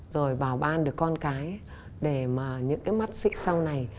rồi vào ban được con cái để mà những cái mắt xích sau này